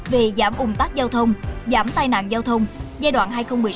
về giảm ung tắc giao thông giảm tai nạn giao thông giai đoạn hai nghìn một mươi sáu hai nghìn hai mươi